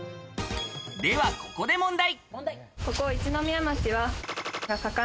ではここで問題。